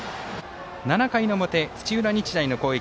７回の表、土浦日大の攻撃。